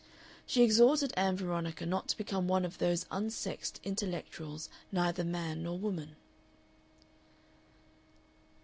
She exhorted Ann Veronica not to become one of "those unsexed intellectuals, neither man nor woman."